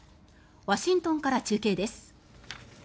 ワシントンから中継です。